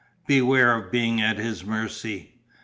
Beware of being at his mercy."